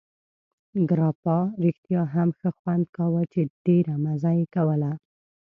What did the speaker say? ګراپا رښتیا هم ښه خوند کاوه، چې ډېره مزه یې کوله.